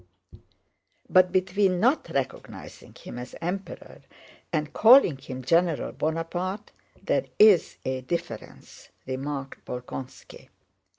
'" "But between not recognizing him as Emperor and calling him General Bonaparte, there is a difference," remarked Bolkónski.